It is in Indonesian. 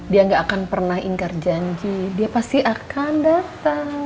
dia gak akan pernah ingkar janji dia pasti akan datang